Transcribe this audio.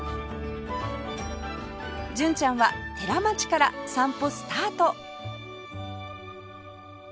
純ちゃんは寺町から散歩スタート